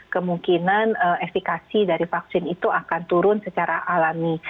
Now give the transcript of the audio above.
kemungkinan efekasi dari vaksin itu akan turun secara alami